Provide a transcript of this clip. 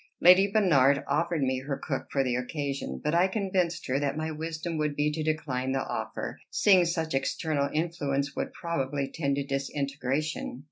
Lady Bernard offered me her cook for the occasion; but I convinced her that my wisdom would be to decline the offer, seeing such external influence would probably tend to disintegration.